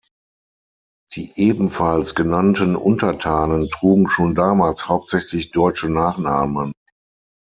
Die ebenfalls genannten Untertanen trugen schon damals hauptsächlich deutsche Nachnamen.